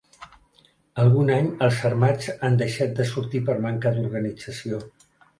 Algun any els Armats han deixat de sortir per manca d'organització.